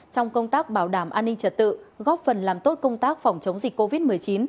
trong công tác bảo đảm an ninh trật tự góp phần làm tốt công tác phòng chống dịch covid một mươi chín